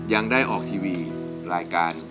ยังได้ออกทีวีรายการ